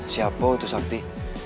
siapa itu sakti